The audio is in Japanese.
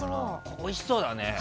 おいしそうだね。